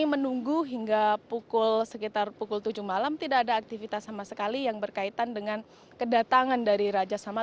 kami menunggu hingga pukul sekitar pukul tujuh malam tidak ada aktivitas sama sekali yang berkaitan dengan kedatangan dari raja salman